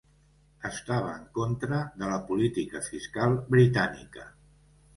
Estava en contra de la política fiscal britànica.